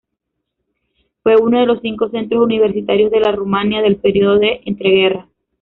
Fue uno de los cinco centros universitarios de la Rumania del período de entreguerras.